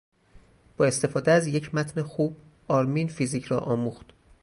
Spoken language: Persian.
با استفاده از یک متن خوب آرمین فیزیک را آموخت.